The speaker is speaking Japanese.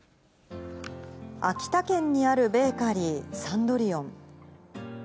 秋田県にあるベーカリー、サンドリヨン。